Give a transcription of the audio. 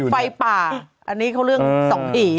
มธิษฎร์ช่อนไฟป่าและกล้องส่องผี